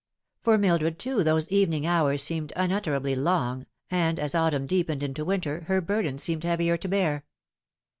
For Mildred, too, those evening hours seemed unutterably long, and as autumn deepened into winter, her burden seemed heavier to bear.